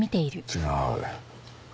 違う。